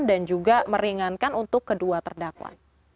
dan juga meringankan untuk kedua terdakwa